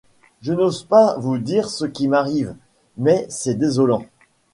Je n'ose pas vous dire ce qui m'arrive, mais c'est désolant.